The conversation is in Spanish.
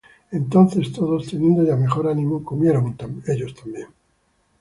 Entonces todos teniendo ya mejor ánimo, comieron ellos también.